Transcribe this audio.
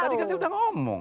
tadi kan sudah ngomong